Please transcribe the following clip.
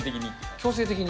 強制的に？